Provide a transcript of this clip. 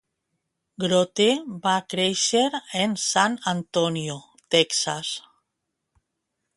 Grote va créixer en San Antonio, Texas.